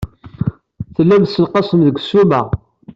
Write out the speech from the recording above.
Tellam tessenqasem deg ssuma.